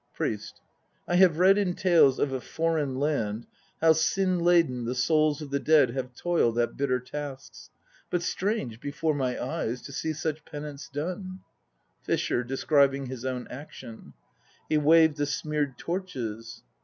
PRIEST. I have read in tales of a foreign land l How sin laden the souls of the dead Have toiled at bitter tasks; But strange, before my eyes To see such penance done! FISHER (describing his own action). He waved the smeared torches.